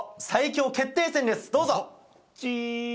最強決定戦ですどうぞ！